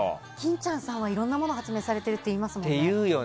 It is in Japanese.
欽ちゃんさんはいろんなものを発明されてるっていいますよね。